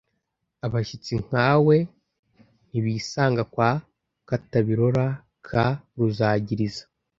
Abashyitsi nkawe ntibisanga kwa Katabirora ka Ruzagiriza